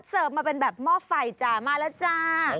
มาเป็นแบบหม้อไฟจ้ะมาแล้วจ้า